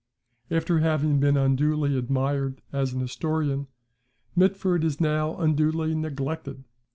After having been unduly admired as an historian, Mitford is now unduly neglected.